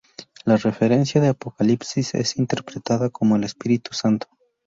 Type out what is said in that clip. La referencia de Apocalipsis es interpretada como el Espíritu Santo.